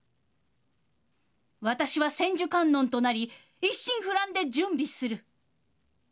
私は千手観音となり一心不乱で準備する。